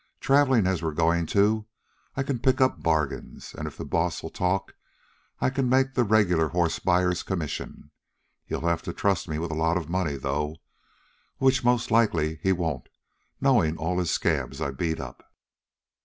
Travelin', as we're goin' to, I can pick up bargains. An' if the Boss'll talk, I can make the regular horse buyer's commissions. He'll have to trust me with a lot of money, though, which most likely he won't, knowin' all his scabs I beat up."